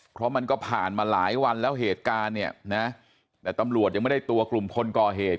เพราะมันก็ผ่านมาหลายวันแล้วเหตุการณ์เนี่ยนะแต่ตำรวจยังไม่ได้ตัวกลุ่มคนก่อเหตุ